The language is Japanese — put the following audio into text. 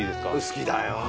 好きだよね